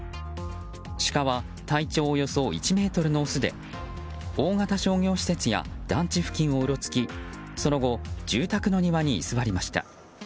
シカは、体長およそ１ｍのオスで大型商業施設や団地付近をうろつきその後、住宅の庭に居座りました。